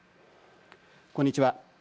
こんにちは。